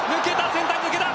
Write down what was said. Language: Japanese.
センター抜けた。